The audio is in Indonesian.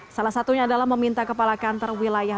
salah satunya adalah meminta kepala kantor wilayah